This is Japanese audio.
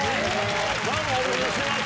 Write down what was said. お願いします。